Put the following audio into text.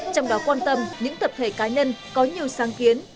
trong đó quan tâm những tập thể cá nhân có nhiều sáng kiến